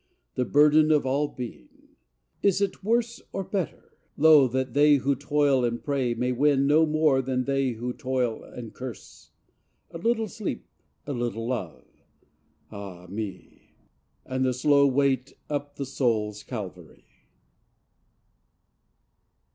The burden of all being! Is it worse Or better, lo! that they who toil and pray May win no more than they who toil and curse A little sleep, a little love, ah me! And the slow weight up the soul's Calvary!